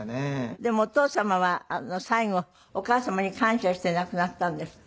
でもお父様は最期お母様に感謝して亡くなったんですって？